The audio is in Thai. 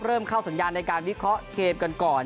เริ่มเข้าสัญญาณในการวิเคราะห์เกมกันก่อน